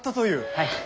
はい。